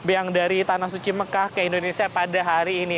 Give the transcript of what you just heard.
yang dari tanah suci mekah ke indonesia pada hari ini